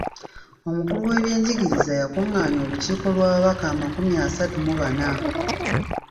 Omukulu w’ebyenjigiriza yakungaanya olukiiko lw'ababaka amakumi asatu mu bana.